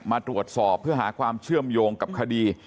มาตรวจสอบเพื่อหาความเชื่อมโยงกับคดี